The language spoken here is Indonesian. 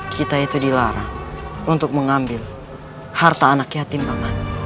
kita itu dilarang untuk mengambil harta anak yatim pangan